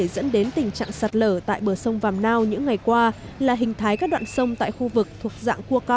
nên diễn biến sạt lở thời gian tới là khả năng rất cao